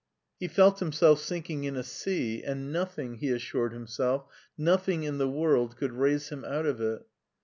He felt himself sinking in a sea, and nothing, he assured him self, nothing in the world, could raise him out of it.